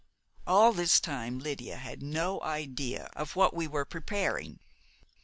All this time Lydia had no idea of what we were preparing.